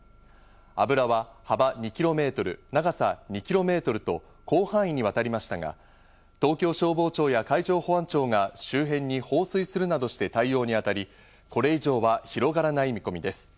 油は幅２キロメートル、長さ２キロメートルと広範囲にわたりましたが、東京消防庁や海上保安庁が周辺に放水するなどして対応にあたり、これ以上は広がらない見込みです。